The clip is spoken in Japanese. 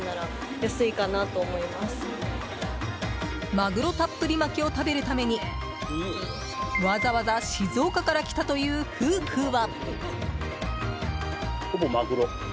まぐろたっぷり巻を食べるためにわざわざ静岡から来たという夫婦は。